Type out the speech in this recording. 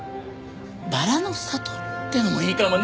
薔薇の里っていうのもいいかもね！